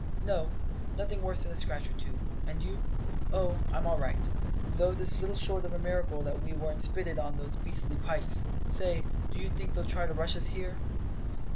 "No; nothing worse than a scratch or two. And you?" "Oh, I'm all right. Though it's little short of a miracle that we weren't spitted on those beastly pikes. Say, do you think they'll try to rush us here?"